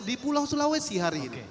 di pulau sulawesi hari ini